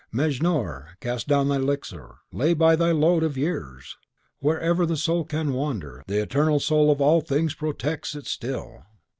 Mejnour, cast down thy elixir; lay by thy load of years! Wherever the soul can wander, the Eternal Soul of all things protects it still!"